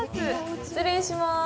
失礼します。